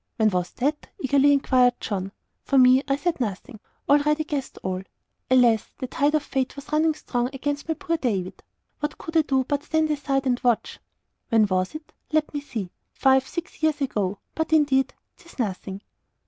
"When was that?" eagerly inquired John. For me, I said nothing. Already I guessed all. Alas! the tide of fate was running strong against my poor David. What could I do but stand aside and watch? "When was it? Let me see five, six years ago. But, indeed, 'tis nothing."